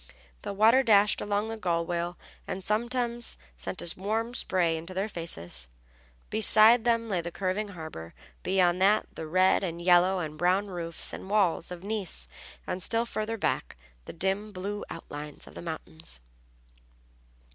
The water dashed along the gunwale and sometimes sent a warm spray into their faces. Behind them lay the curving harbor, beyond that the red and yellow and brown roofs and walls of Nice, and still farther back the dim blue outlines of the mountains.